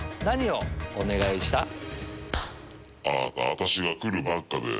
何をお願いした？